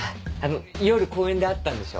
夜公園で会ったんでしょ？